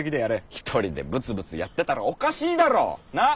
ひとりでブツブツやってたらおかしいだろォ？なっ？